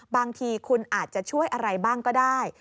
บางทีคุณอาจจะช่วยอะไรบ้างก็ได้